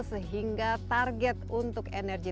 sehingga target untuk energi